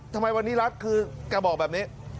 ทำไมวันนี้รัฐคือแกบอกแบบนี้